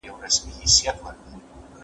څوک چي دوې يا درې خويندي وروزي.